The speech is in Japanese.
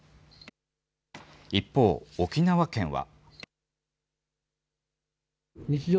一方、沖縄県は。